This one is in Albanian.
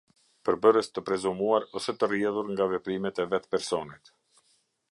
Përbërës të prezumuar ose të rrjedhur nga veprimet e vetë personit.